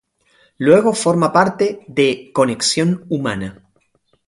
Luego forma parte de Conexión Humana.